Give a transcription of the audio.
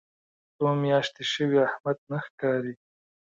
څو میاشتې شوې احمد نه ښکاري.